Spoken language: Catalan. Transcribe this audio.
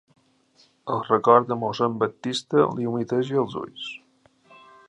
El record de mossèn Baptista li humiteja els ulls.